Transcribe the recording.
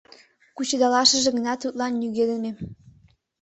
Кучедалашыже гына тудлан нигӧ дене.